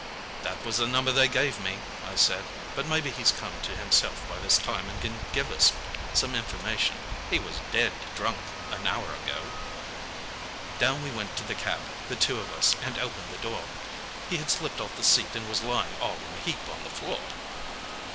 "'That was the number they gave me,' I said, 'But maybe he's come to himself by this time, and can give us some information. He was dead drunk an hour ago.' "Down we went to the cab, the two of us, and opened the door. He had slipped off the seat and was lying all in a heap on the floor.